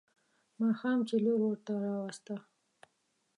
ماښام چې لور ورته راوسته.